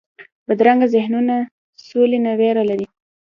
بدرنګه ذهنونونه سولې نه ویره لري